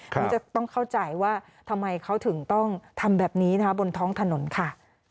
อันนี้จะต้องเข้าใจว่าทำไมเขาถึงต้องทำแบบนี้นะคะบนท้องถนนค่ะ